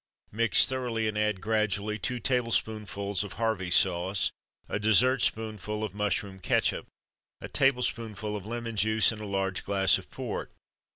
Mix thoroughly, and add, gradually, two tablespoonfuls of Harvey's sauce, a dessert spoonful of mushroom ketchup, a tablespoonful of lemon juice, and a large glass of port.